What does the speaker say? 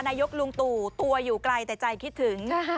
นายกลุงตู่ตัวอยู่ไกลแต่ใจคิดถึง